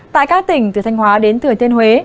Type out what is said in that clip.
tại các tỉnh từ thanh hóa đến thừa thiên huế